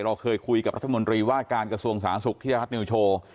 เราเคยคุยกับรัฐมนตรีว่าการกระทรวงสาธารณสุขที่รัฐนิวโชว์